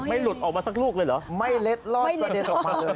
หลุดออกมาสักลูกเลยเหรอไม่เล็ดลอดกระเด็นออกมาเลย